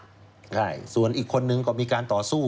ใช่ส่วนอีกคนนึงก็มีการต่อสู้